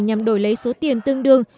nhằm đổi lấy số tiền tương đương